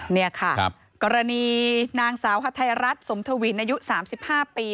นี่ค่ะกรณีนางสาวฮัทไทยรัฐสมทวินอายุ๓๕ปี